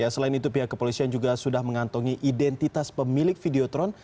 selain itu pihak kepolisian juga sudah mengantongi identitas pemilik videotron